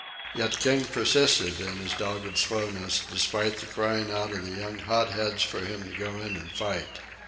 Yet King persisted in his dogged slowness, despite the crying of the young hot heads for him to go in and fight.